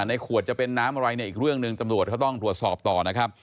ในขวดจะเป็นน้ำอะไรเนี่ยอีกเรื่องหนึ่งตำรวจเขาต้องตรวจสอบต่อนะครับ